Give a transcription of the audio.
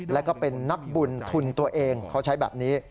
แล้วก็เป็นนักบุญทุนตัวเองเขาใช้แบบนี้